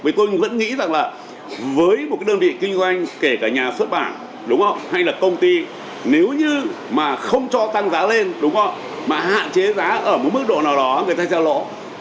vì tôi vẫn nghĩ rằng là với một cái đơn vị kinh doanh kể cả nhà xuất bản hay là công ty nếu như mà không cho tăng giá lên mà hạn chế giá ở một mức độ nào đó người ta sẽ lỗ